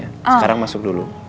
sekarang masuk dulu